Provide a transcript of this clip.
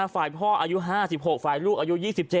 ฝ่ายพ่ออายุ๕๖ฝ่ายลูกอายุ๒๗